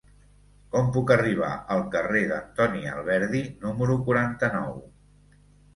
Com puc arribar al carrer d'Antoni Alberdi número quaranta-nou?